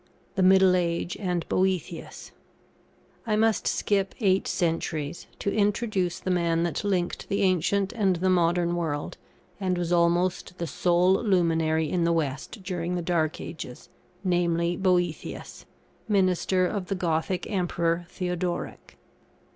] THE MIDDLE AGE AND BOĂ‹THIUS. I must skip eight centuries, to introduce the man that linked the ancient and the modern world, and was almost the sole luminary in the west during the dark ages, namely, Boëthius, minister of the Gothic Emperor Theodoric.